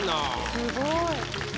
すごい。